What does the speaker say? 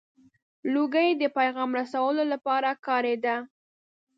• لوګی د پیغام رسولو لپاره کارېده.